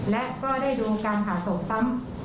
และก็ได้ดูการหาศพซ้ำ